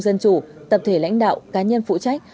dân chủ tập thể lãnh đạo cá nhân phụ trách